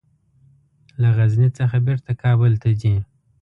له غزني څخه بیرته کابل ته ځي.